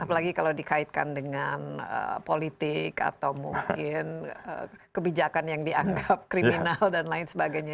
apalagi kalau dikaitkan dengan politik atau mungkin kebijakan yang dianggap kriminal dan lain sebagainya